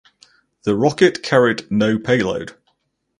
The rocket carried no payload.